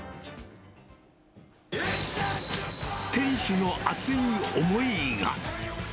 店主の熱い思いが。